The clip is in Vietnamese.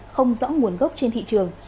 không rõ nguồn gốc trên thị trường